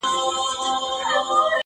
بس و یار ته ستا خواږه کاته درمان سي,